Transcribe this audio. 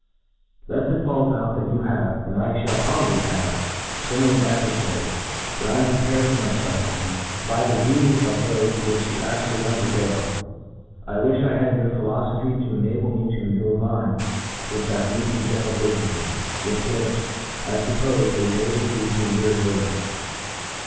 Thus it fallfe out, that you have, and I ftiall probably have, fo many advcr faries ; but I am prepared for my fufferings, by the view of thofie whleh you aftuaUy undergo. I wifh I had your philofophy to enable me to endure mine with that meek and gentle dignity^ with which, I fuppofe, it enables you to endure yours.